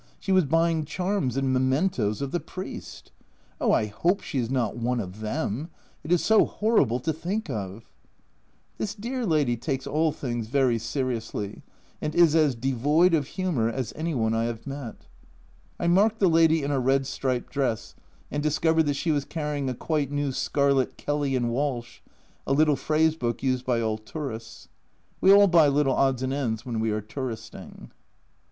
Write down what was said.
She was buying charms and mementoes of the priest ! Oh, I hope she is not one of them ! It is so horrible to think of " This dear lady takes all things very seriously, and is as devoid of humour as any one I have met. I marked the lady in a red striped dress, and discovered that she was carrying a quite new scarlet Kelly & Walsh (a little phrase book used by all tourists). We all buy little odds and ends when we are touristing.